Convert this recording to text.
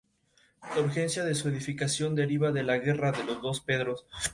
Araquistáin se destacó como recopilador de cuentos y leyendas vascas tradicionales.